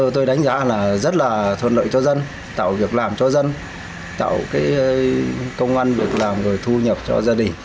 tôi đánh giá là rất là thuận lợi cho dân tạo việc làm cho dân tạo công an việc làm rồi thu nhập cho gia đình